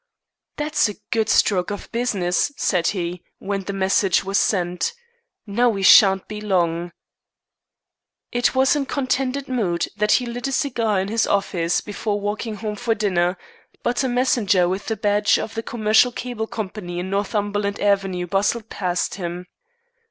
"That's a good stroke of business," said he, when the message was sent. "Now we shan't be long!" It was in contented mood that he lit a cigar in his office, before walking home for dinner, but a messenger with the badge of the Commercial Cable Company in Northumberland Avenue bustled past him.